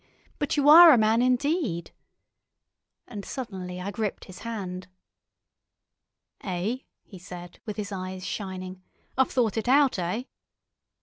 "But you are a man indeed!" And suddenly I gripped his hand. "Eh!" he said, with his eyes shining. "I've thought it out, eh?"